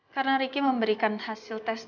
karena riki memberikan hasil tes dna